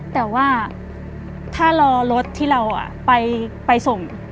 แต่ว่าถ้ารอรถที่เราไปส่ง